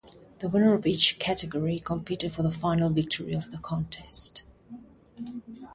The winner of each category competed for the final victory of the contest.